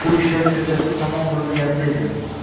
Bu ishlar koʻchasi tomon burilganida edi.